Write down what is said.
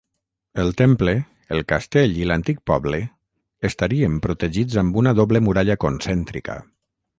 El temple, el castell i l'antic poble estarien protegits amb una doble muralla concèntrica.